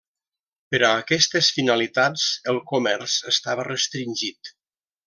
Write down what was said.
Per a aquestes finalitats, el comerç estava restringit.